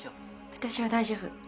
私は大丈夫。